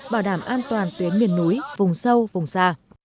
bảo đảm an toàn tuyến miền núi vùng sâu vùng xa